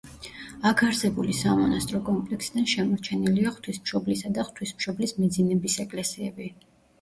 აქ არსებული სამონასტრო კომპლექსიდან შემორჩენილია ღვთისმშობლისა და ღვთისმშობლის მიძინების ეკლესიები.